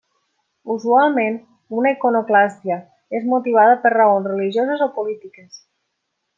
Usualment, una iconoclàstia és motivada per raons religioses o polítiques.